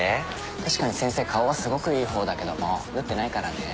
確かに先生顔はすごくいいほうだけども縫ってないからね。